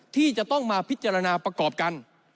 ที่จะต้องมาพิจารณาประกอบกัน